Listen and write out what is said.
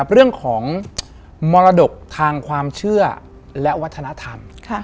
เรื่องของมรดกทางความเชื่อและวัฒนธรรม